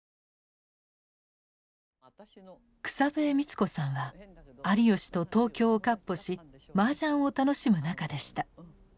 草笛光子さんは有吉と東京を闊歩しマージャンを楽しむ仲でした。